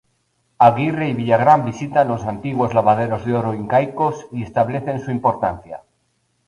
Aguirre y Villagrán visitan los antiguos lavaderos de oro incaicos y establecen su importancia.